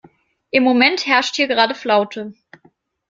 Im Moment herrscht hier gerade Flaute.